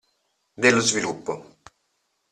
Dello sviluppo.